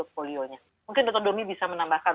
polionya mungkin dokter domi bisa menambahkan